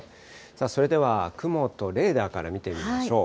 それでは、雲とレーダーから見てみましょう。